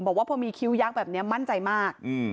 บอกว่าพอมีคิ้วยักษ์แบบนี้มั่นใจมาก